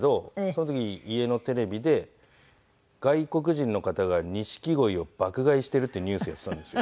その時家のテレビで外国人の方が錦鯉を爆買いしているっていうニュースをやっていたんですよ。